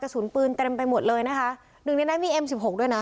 สุนปืนเต็มไปหมดเลยนะคะหนึ่งในนั้นมีเอ็มสิบหกด้วยนะ